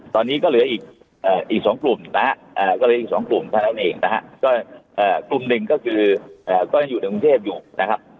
ตอนนี้ก็เหลืออีก๒กลุ่มนะครับกลุ่มหนึ่งก็คืออยู่ในกรุงเทพอยู่นะครับ